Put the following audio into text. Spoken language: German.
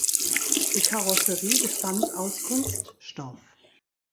Die Karosserie bestand aus Kunststoff.